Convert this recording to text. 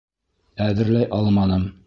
Әҙерләй алманым!